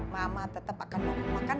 mama tetap akan mau makan